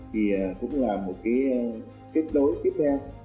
thì cũng là một cái kết đối tiếp theo